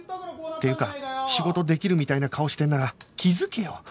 っていうか仕事できるみたいな顔してるなら気づけよ！